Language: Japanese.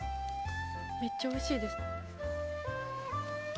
めっちゃおいしいです。